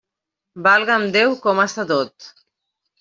Valga'm Déu, com està tot!